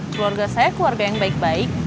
keluarga saya keluarga yang baik baik